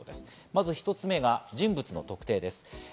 まず１つ目が人物の特定です。